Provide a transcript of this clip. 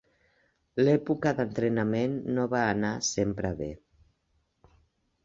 L'època d'entrenament no va anar sempre bé.